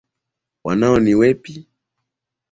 Wanao ni wepi.